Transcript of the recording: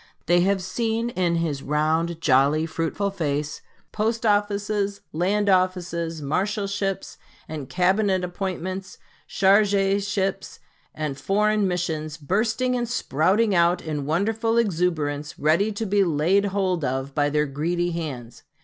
They have seen in his round, jolly, fruitful face post offices, land offices, marshalships, and cabinet appointments, chargé ships and foreign missions, bursting and sprouting out in wonderful exuberance ready to be laid hold of by their greedy hands.